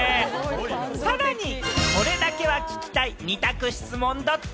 さらにこれだけは聞きたい、二択質問ドッチ？